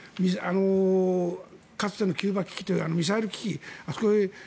しかも、ああいうかつてのキューバ危機というミサイル危機。